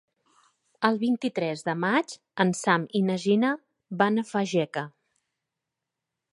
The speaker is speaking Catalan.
El vint-i-tres de maig en Sam i na Gina van a Fageca.